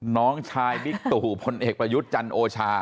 น้องชายบิตตุผลเอกประยุทธ์จันทร์โอชา